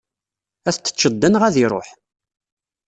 Ad t-teččeḍ da neɣ ad iṛuḥ?